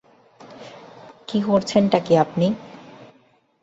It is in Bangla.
কী করছেন টা কি আপনি?